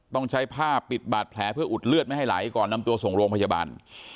ต้องใช้ผ้าปิดบาดแผลเพื่ออุดเลือดไม่ให้ไหลก่อนนำตัวส่งโรงพยาบาล